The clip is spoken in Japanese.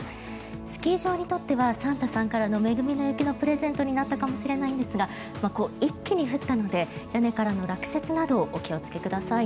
スキー場にとってはサンタさんからの恵みの雪のプレゼントになったかもしれないんですが一気に降ったので屋根からの落雪などお気をつけください。